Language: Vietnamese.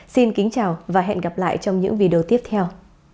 xin kính chào và hẹn gặp lại trong những video tiếp theo